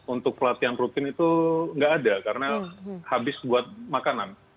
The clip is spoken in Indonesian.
untuk pelatihan rutin itu nggak ada karena habis buat makanan